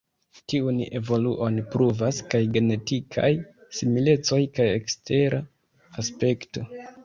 Tiun evoluon pruvas kaj genetikaj similecoj kaj ekstera aspekto.